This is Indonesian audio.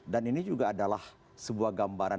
dan ini juga adalah sebuah gambaran